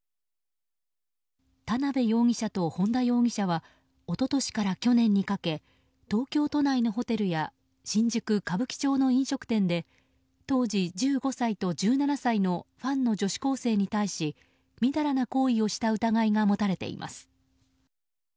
田辺容疑者と本田容疑者は一昨年から去年にかけ東京都内のホテルや新宿・歌舞伎町の飲食店で当時１５歳と１７歳のファンの女子高生に対しみだらな行為をした疑いが持たれています。